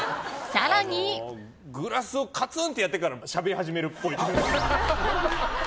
グラス、カツンってやってからしゃべり始めるっぽい。